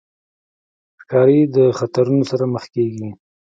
ښکاري د خطرونو سره مخ کېږي.